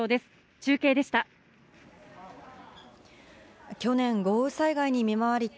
中継でした。